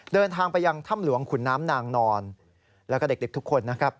เดินทางไปยังถ้ำหลวงขุนน้ำนางนอนแล้วก็เด็กทุกคนนะครับ